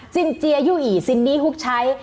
จินเจียยู่อี่ซินนี่ฮุกใช้